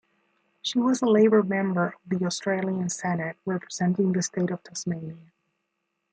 She was a Labor member of the Australian Senate representing the state of Tasmania.